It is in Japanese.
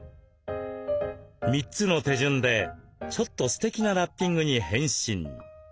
３つの手順でちょっとすてきなラッピングに変身！